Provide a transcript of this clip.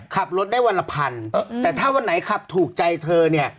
ขับรถได้วันละพันแต่ถ้าวันไหนขับถูกใจเธอเนี่ย